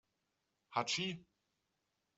Hatschi!